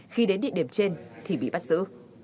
khi đến địa điểm trên thì bị bắt giữ